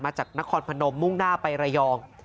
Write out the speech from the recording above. จากนครพนมมุ่งหน้าไประยอง